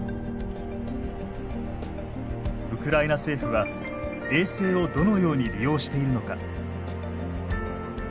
ウクライナ政府は衛星をどのように利用しているのか？